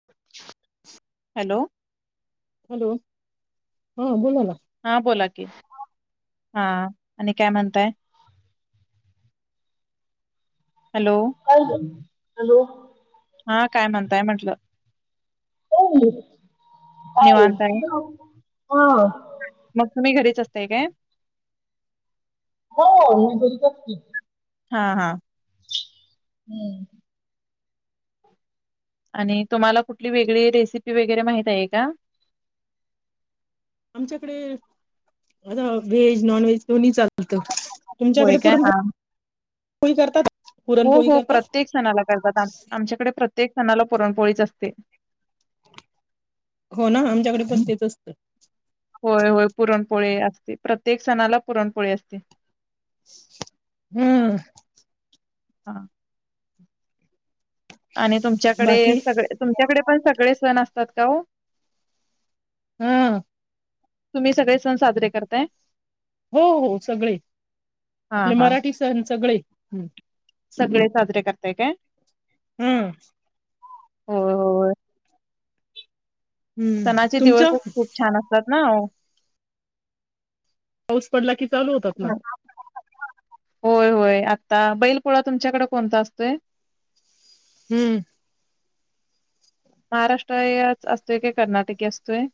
[inaudible] [inaudible] Hello. Hello हा बोला ना. हा बोला की हा आणि काय म्हणताय? हॅलो. हॅलो. हा काय म्हणताय म्हंटलं. काय नाही निवांताय काय नाही हा. मग तुम्ही घरीच असताय काय? हो मी घरीच असते. हा हा. हम्म. आणि तुम्हाला कुठली वेगळी रेसिपी वगैरे माहित आहे का? आमच्याकडे आता व्हेज नॉन व्हेज दोन्ही चालतं. होय काय हा. पोळी करता का? हो हो प्रत्येक सणाला करतात आमच्याकडे प्रत्येक सणाला पुरणपोळीच असते. हो ना आमच्याकडे पण तेच असतं. होय होय पुरणपोळी असते प्रत्येक सणाला पुरणपोळी असते. हम्म. हा. आणि तुमच्याकडे बाकी सगळे तुमच्याकडे पण सगळे सण असतात का हो? हम्म. तुम्ही सगळे सण साजरे करताय? हो हो सगळे हा आपले हा मराठी सण सगळे. सगळे साजरे करताय काय? हम्म. होय होय. हम्म सणाचे तुमचं? दिवसच खूप छान असतात ना. पाऊस पडला की चालू होतात ना. होय होय आता बैलपोळा तुमच्याकडे कोणता असतोय? हम्म. महाराष्ट्र याच असतोय की कर्नाटकी असतोय?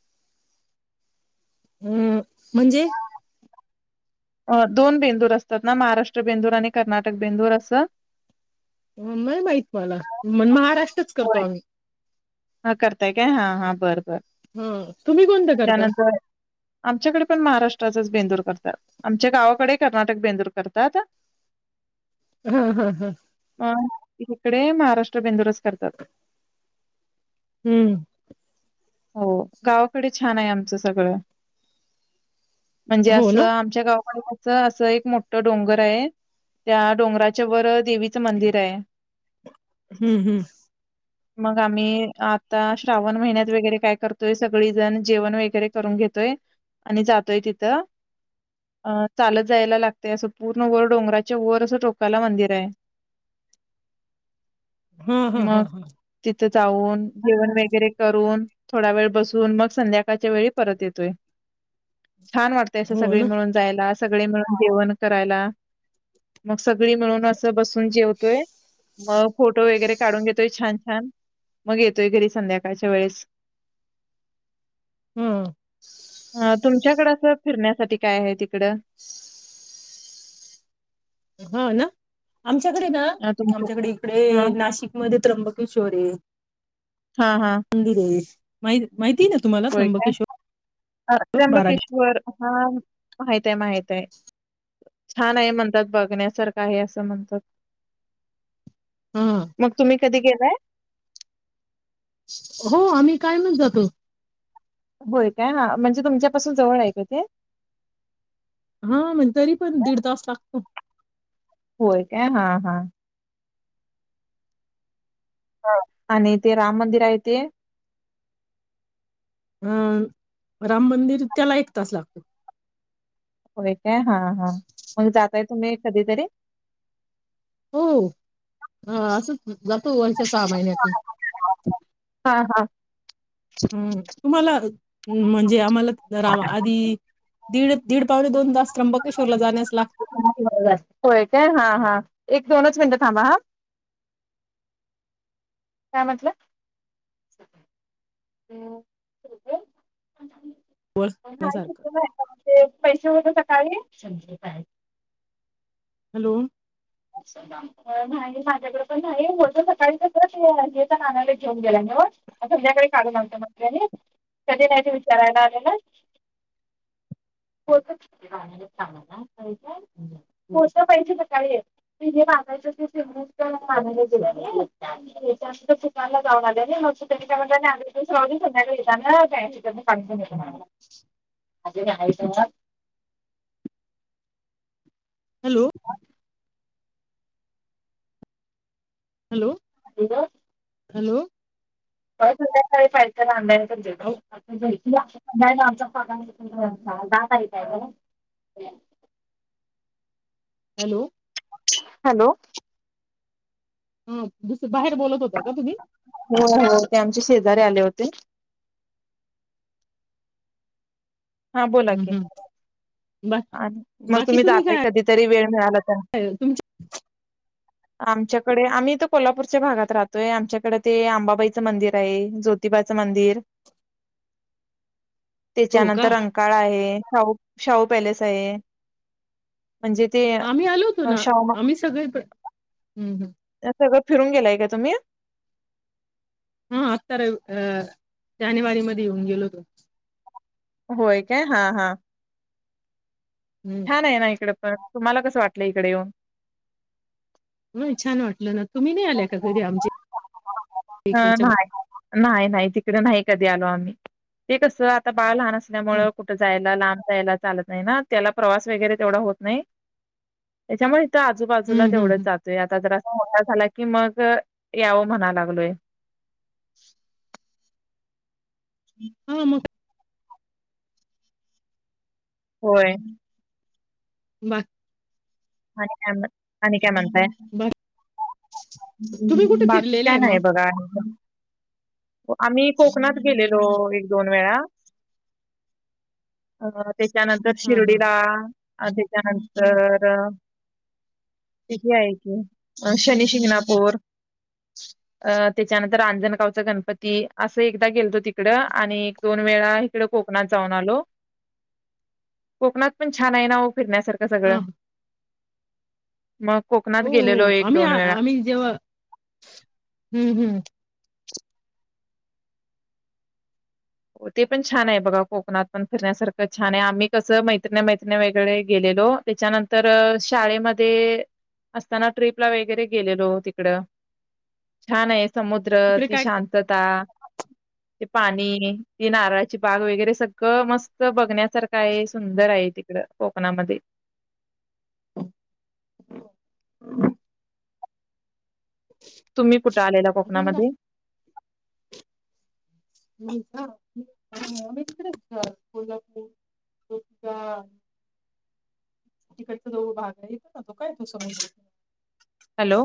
हम्म म्हणजे? अ दोन बेंदूर असतात ना महाराष्ट्र बेंदूर आणि कर्नाटक बेंदूर असं. नाही माहित मला मण महाराष्ट्रच करतो होय आम्ही. हा करताय काय हा हा बरं बर हा तुम्ही कोणतं करता? त्यानंतर आमच्याकडे पण महाराष्ट्राचाच बेंदूर करतात. आमच्या गावाकडे कर्नाटक बेंदूर करतात. हा हा हा. अ इकडे महाराष्ट्र बेंदुरच करतात. हम्म. हो गावाकडे छान आहे आमचं सगळं. म्हणजे हो ना असं आमच्या गावाकडे असं असं एक मोठं डोंगर आहे, त्या डोंगराच्या वर देवी च मंदिर आहे. हम्म हम्म मग आम्ही आता श्रावण महिन्यात वगैरे काय करतोय सगळीजण जेवण वगैरे करून घेतोय आणि जातोय तिथं. अ चालत जायला लागतय असं पूर्ण वर डोंगराच्या वर असं टोकाला मंदिर आहे. [inaudible] हम्म ह ह ह. तिथ जाऊन जेवण वगैरे करून थोडा वेळ बसून मग संध्याकाळच्या वेळी परत येतोय, छान वाटतंय अस हो सगळी ना मिळून जायला सगळे मिळून जेवण करायला. मग सगळी मिळून असं बसून जेवतोय. मग फोटो वगैरे काढून घेतोय छान छान मग येतोय घरी संध्याकाळच्या वेळेस. हम्म. ह तुमच्याकडें असं फिरण्यासाठी काय आहे तिकड? हा ना आमच्याकडे ना अ, तुमचं आमच्याकडे हां, इकडे नाशिकमध्ये त्र्यंबकेश्वरय. हा हा. मंदिर आहे माहि माहिती ना. तुम्हाला होय काय, त्र्यंबकेश्वर बाराजी त्र्यंबकेश्वर हा माहितय माहितय. छान आहे म्हणतात, बघण्यासारखं आहे, असं म्हणतात. हा मग तुम्ही कधी गेलाय? हो आम्ही कायमच जातो. होय काय हा म्हणजे तुमच्यापासून जवळ आहे का ते? हा म्हण तरी पण दीड तास लागतो. होय काय हा हा. हां आणि ते राम मंदिर आहे ते? अं राम मंदिर त्याला एक तास लागतो. होय काय हा हा मग जातय तुम्ही कधीतरी? हो ह असच जातो वर्षा हा हा. हम्म तुम्हाला म्हणजे आम्हाला रा आधी दीड दीड पावणे दोन तास त्र्यंबकेश्वरला जाण्यास लाग होय काय हा हा एक दोनच मिनटं थांबा हा. काय म्हटलं? [unintelligible] सारखं ते पैसे होते सकाळी हॅलो! [inaudible] नाही माझ्याकडे पण नाही होते सकाळीच नानाला घेऊन गेला नव्ह. संध्याकाळी काढून आणतो म्हटल्याली कधी नाही ते विचारायला आलेला. [unintelligible] [unintelligible] म जे मागायच ते सेव मागयला गेलं दुकानला जाऊन आले मग त त्यांच्या म्हव संध्याकाळी येनायिक. [unintelligible] हॅलो. हॅलो. [unintelligible] हॅलो. [unintelligible] जाला आम अहो, सगळ जाता य का आहे का हॅलो हॅलो ह दुसर बाहेर बोलत होता का तुम्ही? हो हो ते आमचे शेजारी आले होते हां बोला हम्म, की हम्म. बा आणि मग बाकी तुम्ही जाताय काय कधीतरी वेळ मिळाला त्या तुमच्या आमच्याकडे आम्ही तर कोल्हापूरच्या भागात राहतोय आमच्याकडे ते आंबाबाईचं मंदिर आहे जो प्रतिबाचं मंदिर. हो का त्याच्यानंतर रंकाळा आहे शाहू शाहू पॅलेस आहे. म्हणजे ते. आम्ही आलो होतो ना शाहू मा आम्ही सगळे हम्म हम्म हे सगळं फिरून गेलाय का तुम्ही? हा आता रवि जानेवारी मध्ये येऊन गेलो मी होय काय हा हा हम्म. छान आहे ना इकडे पण तुम्हाला कसं वाटलं इकडे येऊन? मग छान वाटलं ना तुम्ही नाही आल्या का घरी आमचा अ नाही नाही नाही तिकडे नाही कधी आलो आम्ही ते कस आता बाळ लहान हम्म असल्यामुळे कुठं जायला लांब जायला चालत नाही ना अ त्याला प्रवास वगैरे तेवढा होत नाही त्याच्यामुळे इथं आजूबाजूला हम्म हम्म, तेवढंच हम्म. जातो ते आता जर मोठा झाला की मग यावं म्हणां लागलोय. हा [unintelligible] मग होय बाकी. आणि काय मग आणि काय म्हणताय. बा तुम्ही कुठे बाकी फिरलेला काय आहे नाही मग बघा आणि काय. आम्ही कोकणात गेलेलो एक दोन वेळा. अ त्याच्यानंतर हां, हां, शिर्डीला त्याच्यानंतर तिथे आहे की अ शनी शिंगणापूर. अ त्याच्यानंतर रंजणगावच गणपती असं एकदा गेलतो तिकडं आणि दोन वेळा इकडे कोकणात जाऊन आलो कोकणात पण छान आहे ना ओ फिरण्यासारखं सगळं. हां. मग कोकण. हो हो आम्ही आम्ही जेव्हा हम्म हम्म. हो ते पण छान आहे बघा कोकणात पण फिरण्यासारखं छान आहे आम्ही कसं मैत्रिण्या मैत्रिण्या वगेरे गेलेलो. त्याच्यानंतर शाळेमध्ये असताना ट्रिपला वगैरे गेलेलो तिकड छान आहे समुद्र मुद्र तिकडे ती काय शांतता ते पाणी ती नारळाची बाग वगैरे सगळं मस्त बघण्यासारखं आहे सुंदर आहे तिकड कोकणामध्ये [inaudible] तुम्ही कुठं आलेला अजून काय कोकणामध्ये? [inaudible] [inaudible] हॅलो, हॅलो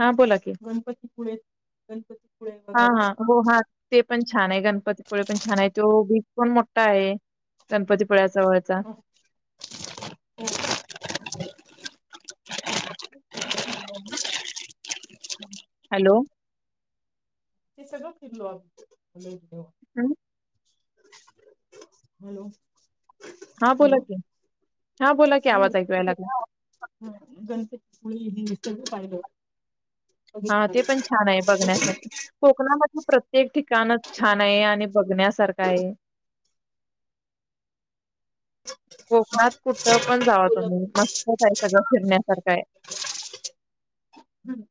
हा बोला की गणपती पुळेे गणपती पुळे हा बघायला हा हो हा ते पण छान आहे गणपतीपुळे पण छान आहे तो बीज पण मोठा आहे‌. गणपतीपुळ्या जवळचा हं, हं. हॅलो. ते सगळं फिरलो आम्ही [inaudible] हम्म. हॅलो. हा बोला हॅलो. की, हा बोला की हं, आवाज ऐकू याय तिथे लागला. गणपतीपुळे हे [inaudible] सगळं पाहिलं. हा बघितलं. ते पण छान आहे बघण्यासारखं. कोकणामध्ये प्रत्येक ठिकाणच छान आहे आणि बघण्यासारखं आहे. कोकणात कुठं पण जावा तुम्ही कोल्हापूर मस्त का आहे सगळं फिरण्यासारखं आहे. हं,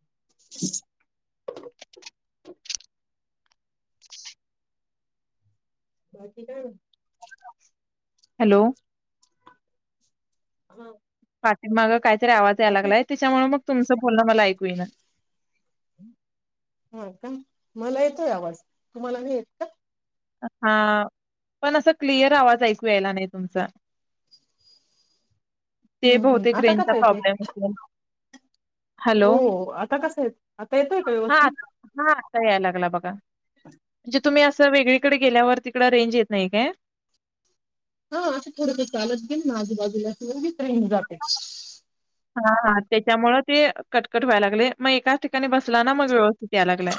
बाकी काय? हॅलो. हां, पाठी माग काहीतरी आवाज यायला बाकी लागलाय त्याच्यामुळे मग तुमचं बोलणं मला ऐकू येई ना. हा का मला येतोय आवाज, तुम्हाला नाही येत का? हा पण असा क्लिअर आवाज ऐकू यायला नाही तुमचा. ते हम्म हम्म बहुतेक आता रेंजचा कसा येतोय? प्रॉब्लेम असलेला. हो आता कसा येतो, आता येतोय का व्यवस्थित? हा आता याय लागला बघा म्हणजे तुम्ही असं वेगळी तिकडे गेल्यावर तिकडं रेंज येत नाही काय? हा असं थोडंस चालत गेली ना आजूबाजूला की लगेच रेंज जाते. हा हा त्याच्यामुळ ते कट, कट व्हायला लागले मग एकाच ठिकाणी बसला ना मग व्यवस्थित या लागलंय.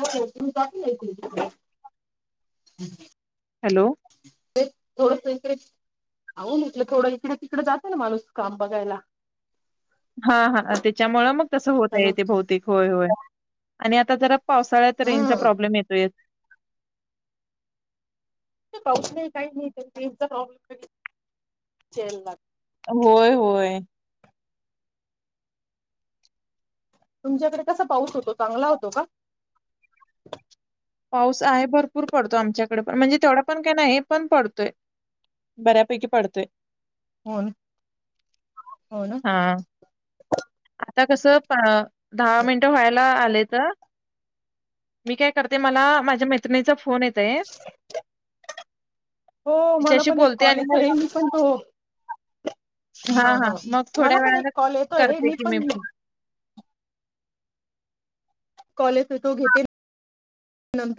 हो टाकल आहे की [inaudible] हॅलो. [inaudible] अहो म्हटल थोडं इकडे, तिकडे जातं ना माणूस काम बघायला. हा हा त्याच्यामुळ मग तस होता हॅलो येते भौवतेक होय, होय आणि आता जरा पावसाळ्यात रेंजचा हा प्रॉब्लेम येतोयच. नाही पाऊस नाही काय नाही रेंज चा प्रॉब्लेम [inaudible] होय, होय. तुमच्याकडे कसा पाऊस होतो चांगला होतो का? पाऊस आहे भरपूर पडतो आमच्याकडे पण म्हणजे तेवढा पण काय नाही हे पण पडतोय. बऱ्या पैकी पडतोय. होन, होन. हा, आता कसं दहा मिनटं व्हायला आलेत मी काय करते मला माझ्या मैत्रिणीचा फोन येत आहे हो मला तिच्याशी पण एक बोलते कॉल आणि मग येतोय मी पण तो हा हां, हा हां. मग थोड्या मला पण एक वेळानं कॉल येतोय करते मी की पण कॉल येतोय तो घेते. नंतर